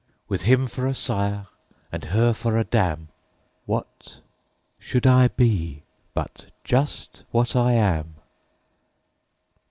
With him for a sire and her for a dam, What should I be but just what I am?